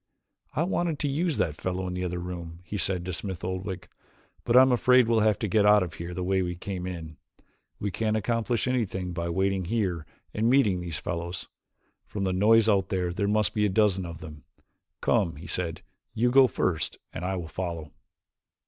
"I wanted to use that fellow in the other room," he said to Smith Oldwick, "but I am afraid we will have to get out of here the way we came. We can't accomplish anything by waiting here and meeting these fellows. From the noise out there there must be a dozen of them. Come," he said, "you go first and I will follow."